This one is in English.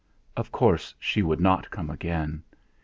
Of course she would not come again!